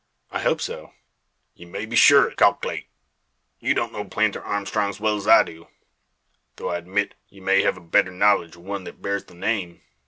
"I hope so." "Ye may be sure o't. Kalklate, ye don't know Planter Armstrong 's well's I do, tho' I admit ye may hev a better knowledge o' one that bears the name.